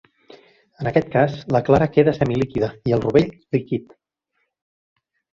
En aquest cas la clara queda semilíquida i el rovell líquid.